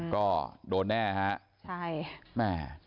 โดดแน่ครับ